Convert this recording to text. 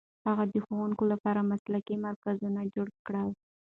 هغه د ښوونکو لپاره مسلکي مرکزونه جوړ کړل.